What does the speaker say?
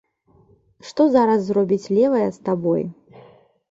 Што зараз зробіць левая з табой.